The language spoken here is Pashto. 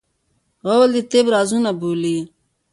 غول د طب رازونه بولي.